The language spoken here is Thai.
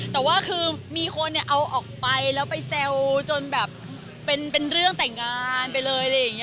แต่ว่าคือมีคนเอาออกไปแล้วไปแซวจนแบบเป็นเรื่องแต่งงานไปเลยอะไรอย่างนี้